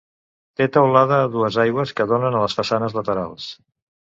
Té teulada a dues aigües que donen a les façanes laterals.